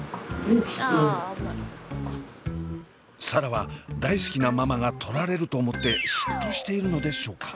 紗蘭は大好きなママが取られると思って嫉妬しているのでしょうか？